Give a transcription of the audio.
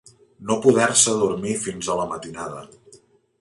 No poder-se adormir fins a la matinada.